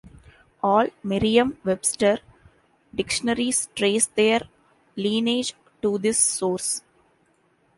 All Merriam-Webster dictionaries trace their lineage to this source.